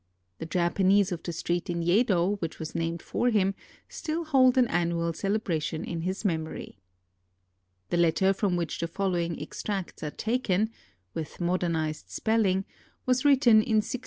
The Japanese of the street in Yedo which was named for him still hold an annual celebration in his memory. The letter from which the following extracts are taken — with modernized spelling — was written in 1611.